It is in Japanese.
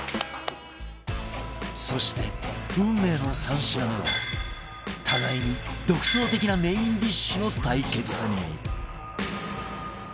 そして運命の３品目は互いに独創的なメインディッシュの対決に